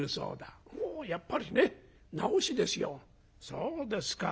そうですか。